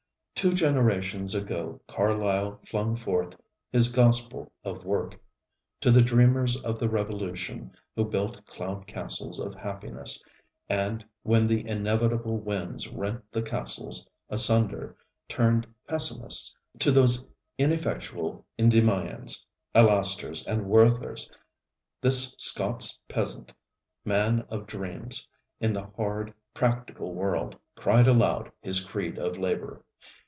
Two generations ago Carlyle flung forth his gospel of work. To the dreamers of the Revolution, who built cloud castles of happiness, and, when the inevitable winds rent the castles asunder, turned pessimists to those ineffectual Endymions, Alastors and Werthers, this Scots peasant, man of dreams in the hard, practical world, cried aloud his creed of labor.